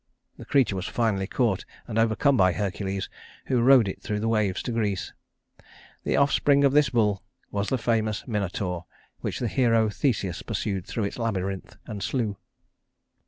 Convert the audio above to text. The creature was finally caught and overcome by Hercules, who rode it through the waves to Greece. The offspring of this bull was the famous Minotaur which the hero Theseus pursued through its labyrinth, and slew.